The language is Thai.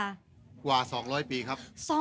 คนกลัว๒๐๐ปีครับ